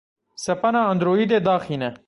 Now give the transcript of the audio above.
Sepana Androidê daxîne.